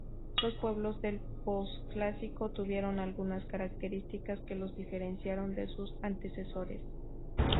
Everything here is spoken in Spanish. Los pueblos del Posclásico tuvieron algunas características que los diferenciaron de sus antecesores.